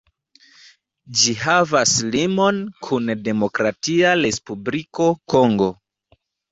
Ĝi havas limon kun Demokratia Respubliko Kongo.